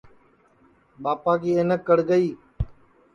ٻاپا کی اَینک کڑ گئی